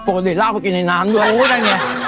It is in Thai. ปกติเหล้าไปกินในน้ำด้วยโอ้ได้ไง